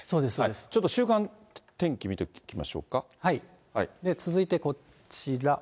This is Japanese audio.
ちょっと週間天気見ておきま続いてこちら。